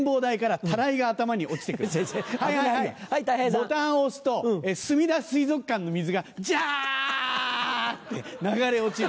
ボタンを押すとすみだ水族館の水がジャ！って流れ落ちる。